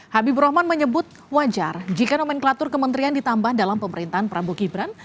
habibur rahman menyebut wajar jika nomenklatur kementerian ditambah dalam pemerintahan prabowo gibran